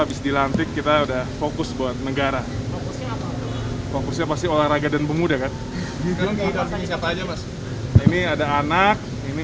habis dilantik kita udah fokus buat negara fokusnya pasti olahraga dan pemuda kan ini ada anak ini